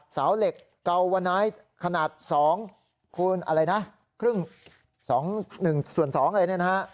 สาวเหล็กเกาวนายขนาด๒คูณอะไรนะครึ่ง๑ส่วน๒เลยนะฮะ